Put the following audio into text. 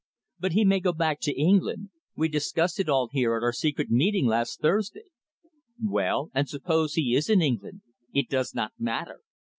"But he may go back to England. We discussed it all here at our secret meeting last Thursday." "Well, and suppose he is in England, it does not matter.